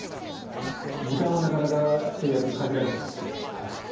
時間はなかなか制約限られていますが。